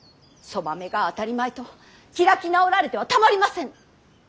そばめが当たり前と開き直られてはたまりません！